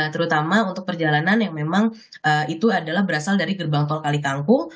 terutama untuk perjalanan yang memang itu adalah berasal dari gerbang tol kali kangkung